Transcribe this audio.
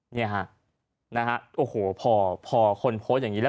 เนี่ยฮะนะฮะโอ้โหพอคนโพสต์อย่างนี้แล้ว